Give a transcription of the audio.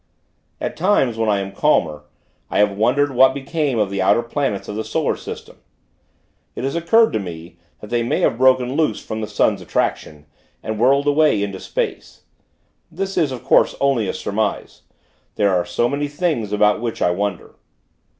At times, when I am calmer, I have wondered what became of the outer planets of the Solar System. It has occurred to me, that they may have broken loose from the sun's attraction, and whirled away into space. This is, of course, only a surmise. There are so many things, about which I wonder.